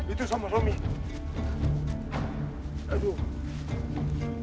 itu sama romi